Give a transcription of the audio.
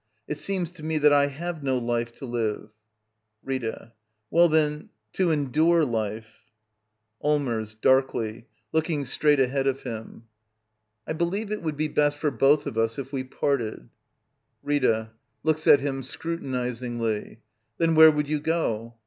] It seems to me that I have no life to live. 'Rita. Well, then, to endure life. ^/Allmers. [Darkly, looking straight ahead of lOI Digitized by VjOOQIC LITTLE EYOLF ^ Act iiL him.] I believe it would be best for both of us if we parted. RXTA. [Looks at him scrutinizingly.] Then where would you go?